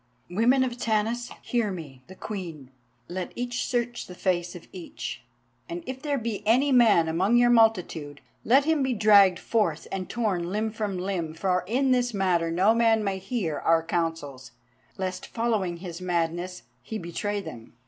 "Women of Tanis, hear me, the Queen. Let each search the face of each, and if there be any man among your multitude, let him be dragged forth and torn limb from limb, for in this matter no man may hear our counsels, lest following his madness he betray them."